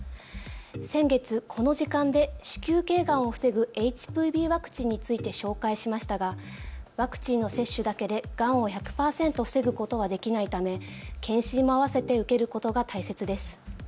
先月、この時間で子宮頸がんを防ぐＨＰＶワクチンについて紹介しましたがワクチンの接種だけでがんを１００％防ぐことはできないため検診も合わせて受けることが大切です。